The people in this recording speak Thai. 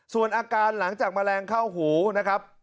ส่วนอาการหลังจากแมลงเข้าหูนะครับ